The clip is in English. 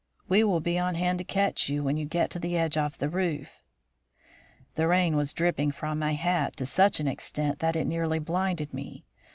We will be on hand to catch you when you get to the edge of the roof." The rain was dripping from my hat to such an extent that it nearly blinded me.